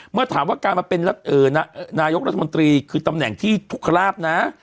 เมื่อถามว่าการมาเป็นนายกรัฐมนตรีคือตำแหน่งที่ทุกขลาบนะ